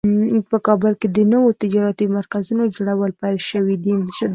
په کابل کې د نوو تجارتي مرکزونو جوړول پیل شوی ده